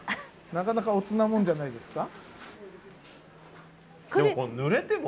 なかなかおつなもんじゃないですか。